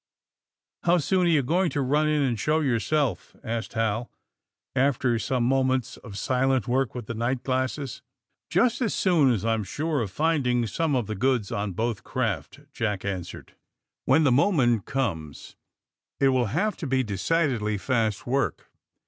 *'How soon are you going to run in and show yourself?" asked Hal, after some moments of silent work with the night glasses. *' Just as soon as I'm sure of finding some of 204 THE SUBMAEINE BOYS tlie goods on both craft," Jack answered. ''When the moment comes it will have to be de cidedly fast work.